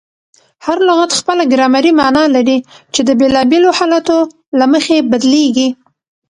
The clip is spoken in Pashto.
هر لغت خپله ګرامري مانا لري، چي د بېلابېلو حالتو له مخي بدلیږي.